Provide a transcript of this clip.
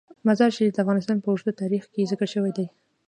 مزارشریف د افغانستان په اوږده تاریخ کې ذکر شوی دی.